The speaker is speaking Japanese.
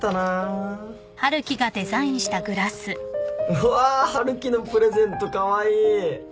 うわ春樹のプレゼントカワイイ！